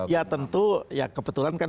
ya tentu ya kebetulan kan